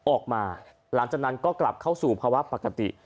หลังจากนั้นก็กลับเข้าสู่ภาวะปกติ